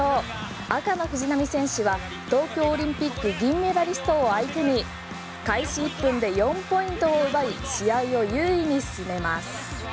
赤の藤波選手は東京オリンピック銀メダリストを相手に開始１分で４ポイントを奪い試合を優位に進めます。